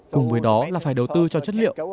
cùng với đó là phải đầu tư cho chất liệu